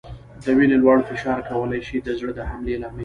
د وینې لوړ فشار کولای شي د زړه د حملې لامل شي.